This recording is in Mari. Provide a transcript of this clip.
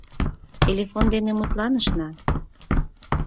Телефон дене мутланышна...